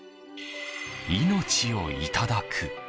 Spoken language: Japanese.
命をいただく。